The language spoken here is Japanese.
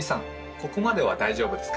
ここまでは大丈夫ですか？